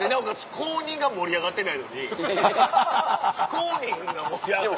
公認が盛り上がってないのに非公認が盛り上がる。